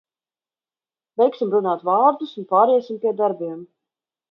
Beigsim runāt vārdus un pāriesim pie darbiem!